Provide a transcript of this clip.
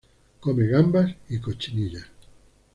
Come gambas y cochinillas.